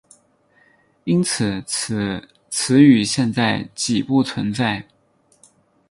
因此此词语现在几不存在。